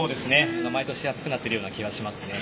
毎年暑くなっているような気がしますね。